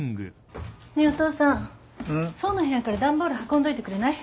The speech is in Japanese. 想の部屋から段ボール運んどいてくれない？